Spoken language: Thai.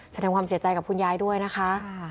ฉันทำความเสียใจกับคุณย้ายด้วยนะคะ